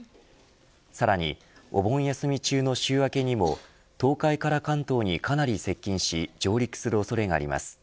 さらにお盆休み中の週明けにも東海から関東にかなり接近し上陸する恐れがあります。